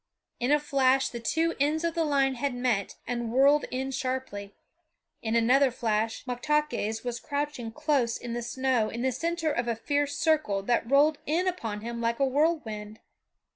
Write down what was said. In a flash the two ends of the line had met and whirled in sharply; in another flash Moktaques was crouching close in the snow in the center of a fierce circle that rolled in upon him like a whirlwind.